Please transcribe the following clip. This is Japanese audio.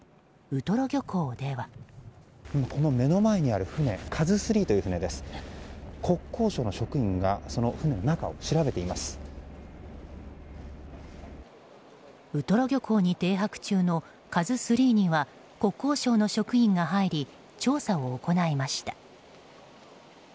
ウトロ漁港に停泊中の「ＫＡＺＵ３」には国交省の職員が入り調査を行いました。